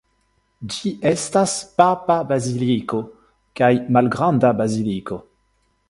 Ĝi estas papa baziliko kaj malgranda baziliko.